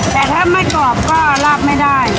แต่ถ้าไม่กรอบก็ลากไม่ได้